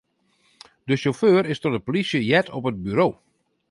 De sjauffeur is troch de polysje heard op it buro.